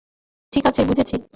ঠিক আছে, বুঝেছি।